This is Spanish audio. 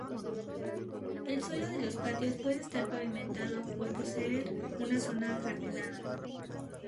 El suelo de los patios puede estar pavimentado, o poseer una zona ajardinada.